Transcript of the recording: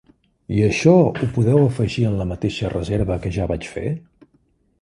I això ho podeu afegir en la mateixa reserva que ja vaig fer?